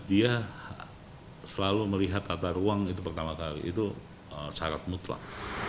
dia selalu melihat tata ruang itu pertama kali itu syarat mutlak